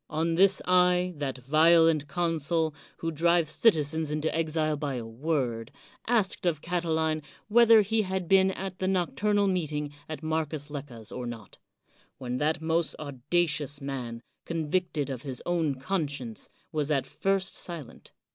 On this I, that violent consul, who drive citi zens into exile by a word, asked of Catiline whether he had been at the nocturnal meeting at Marcus Lecca's or not ; when that most audacious man, convicted of his own conscience, was at first silent.